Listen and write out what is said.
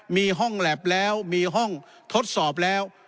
มีห้องแล็บแล้วมีห้องทดสอบแล้ว